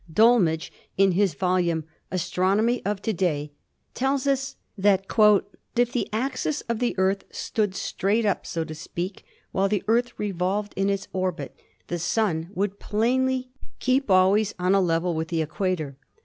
Dol mage in his volume, "Astronomy of To day," tells us that "If the axis of the Earth stood 'straight up,' so to speak, while the Earth revolved in its orbit, the Sun would plainly keep always on a level with the equator.